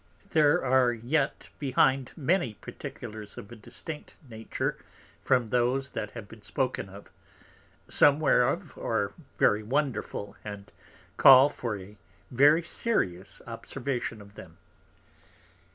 There are yet behind many Particulars of a distinct Nature from those that have been spoken of; some whereof are very wonderful, and call for a very serious Observation of them.